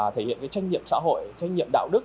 thể hiện trách nhiệm xã hội trách nhiệm đạo đức